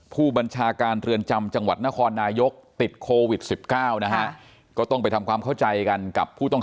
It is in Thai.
ผู้บัญชาการเรือนจำจังหวัดนครนายกติดโควิด๑๙นะฮะก็ต้องไปทำความเข้าใจกันกับผู้ต้อง